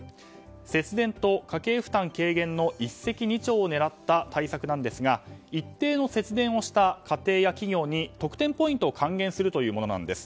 節電と家計負担軽減の一石二鳥を狙った対策なんですが一定の節電をした家庭や企業に特典ポイントを還元するというものなんです。